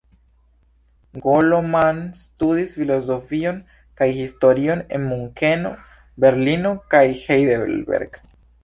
Golo Mann studis filozofion kaj historion en Munkeno, Berlino kaj Heidelberg.